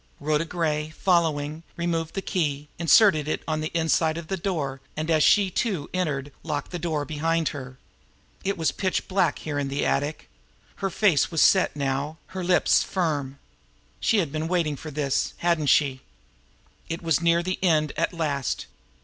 Rhoda Gray, following, removed the key, inserted it on the inside of the door, and, as she too entered, locked the door behind her. It was pitch black here in the attic. Her face was set now, her lips firm. She had been waiting for this, hadn't she? It was near the end at last.